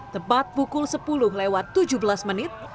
tepat pukul sepuluh lewat tujuh belas menit